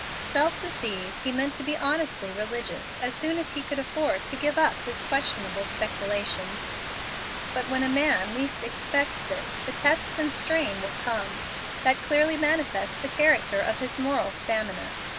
Self deceived, he meant to be honestly religious as soon as he could afford to give up his questionable speculations. But when a man least expects it the test and strain will come, that clearly manifest the character of his moral stamina.